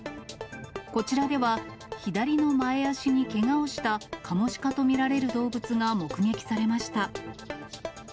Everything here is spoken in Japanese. こちらでは、左の前足にけがをしたカモシカと見られる動物が目撃されました。